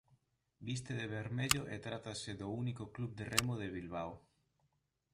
Viste de vermello e trátase do único club de remo de Bilbao.